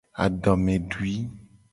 Adomedui.